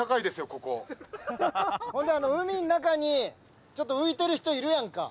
ここほんで海ん中にちょっと浮いてる人いるやんか